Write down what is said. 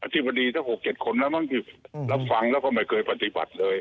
อธิบดีถ้า๖๗คนแล้วมันก็รับฟังแล้วไม่เคยปฏิบัติเลย